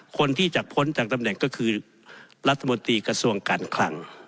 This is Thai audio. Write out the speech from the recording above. คนที่จะพ้นจากตำแหน่งก็คือรัฐมนตรีกระทรวงการคลัง